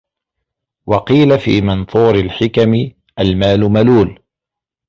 وَقِيلَ فِي مَنْثُورِ الْحِكَمِ الْمَالُ مَلُولٌ